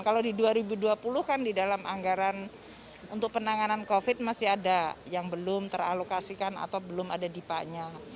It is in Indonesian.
kalau di dua ribu dua puluh kan di dalam anggaran untuk penanganan covid masih ada yang belum teralokasikan atau belum ada dipaknya